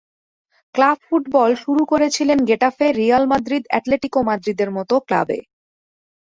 Club football শুরু করেছিলেন Getafe, Real Madrid, Atletico মাদ্রিদের মতো ক্লাবে।